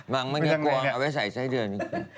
มันไม่มีกรวงเอาไว้ใส่ไซ่เดือน